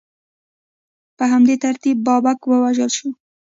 په همدې ترتیب بابک ووژل شو.